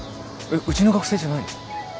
うちの学生じゃないの？